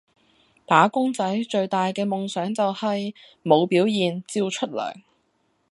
打工仔最大噶夢想就係，冇表現，照出糧